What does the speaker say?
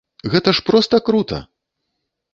Гэта ж проста крута!